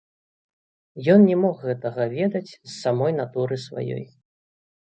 Ён не мог гэтага ведаць з самой натуры сваёй.